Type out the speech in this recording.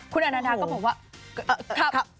คุณอาณาดาก็บอกว่า